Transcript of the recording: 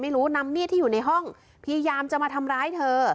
ไม่รู้นำเนี้ยที่อยู่ในห้องพยายามจะมาทำร้ายเธอ